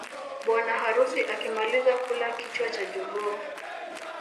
Bwana harusi akimaliza kula kichwa cha jogoo